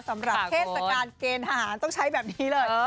สำหรับเทศกาลเกณฑ์ทหารต้องใช้แบบนี้เลย